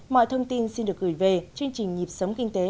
mọi thông tin xin được gửi về chương trình nhịp sống kinh tế